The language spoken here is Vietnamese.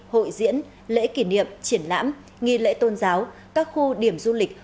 hội diễn lễ kỷ niệm triển lãm nghi lễ tôn giáo các khu điểm du lịch